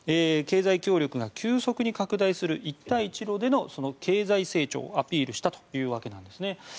経済協力が急速に拡大する一帯一路での経済成長をアピールしたわけです。